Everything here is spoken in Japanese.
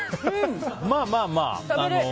まあまあまあ。